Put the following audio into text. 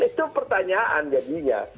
itu pertanyaan jadinya